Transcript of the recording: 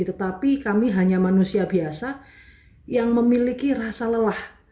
tetapi kami hanya manusia biasa yang memiliki rasa lelah